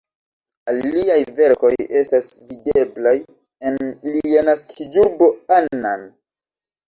Aliaj verkoj estas videblaj en lia naskiĝurbo Annan.